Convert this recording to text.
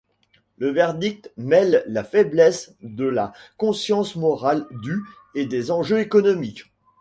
Le verdict mêle la faiblesse de la conscience morale du et les enjeux économiques.